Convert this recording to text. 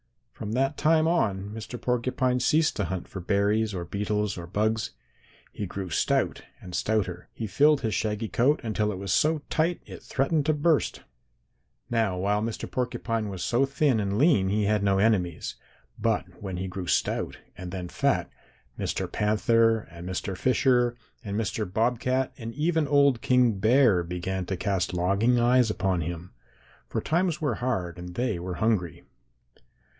From that time on Mr. Porcupine ceased to hunt for berries or beetles or bugs. He grew stout and stouter. He filled his shaggy coat until it was so tight it threatened to burst. "Now while Mr. Porcupine was so thin and lean he had no enemies, but when he grew stout and then fat, Mr. Panther and Mr. Fisher and Mr. Bobcat and even old King Bear began to cast longing eyes upon him, for times were hard and they were hungry.